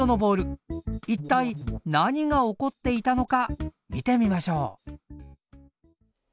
一体何が起こっていたのか見てみましょう。